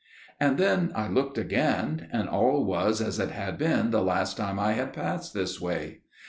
"And then I looked again, and all was as it had been the last time I had passed this way.